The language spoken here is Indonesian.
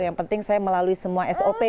yang penting saya melalui semua sop